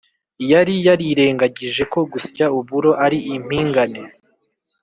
yari yarirengagije ko gusya uburo ari impingane